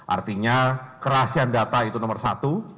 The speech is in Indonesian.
artinya kerahasian data itu nomor satu